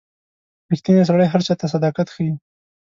• ریښتینی سړی هر چاته صداقت ښيي.